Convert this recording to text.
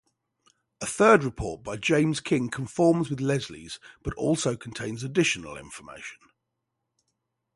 A third report, by James King conforms with Leslie's, but also contains additional information.